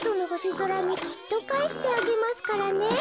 ぞらにきっとかえしてあげますからね」。